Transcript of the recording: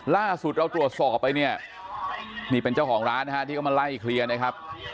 ล่าสุดเราตรวจสอบไปเนี่ยนี่เป็นเจ้าของร้านนะฮะที่เขามาไล่เคลียร์นะครับ